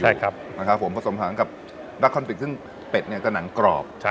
ใช่ครับนะครับผมผสมหางกับดาคอนปิกซึ่งเป็ดเนี่ยจะหนังกรอบ